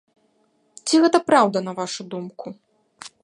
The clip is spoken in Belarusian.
Ці гэта праўда, на вашу думку?